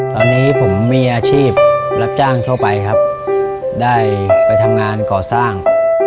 ตอนนี้ผมมีอาชีพรับจ้างทั่วไปครับได้ไปทำงานก่อสร้าง